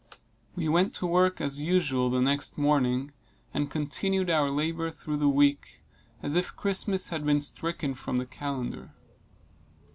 We went to work as usual the next morning, and continued our labor through the week, as if Christmas had been stricken from the calendar.